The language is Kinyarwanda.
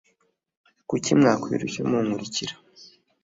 kuki mwakwirushya munkurikira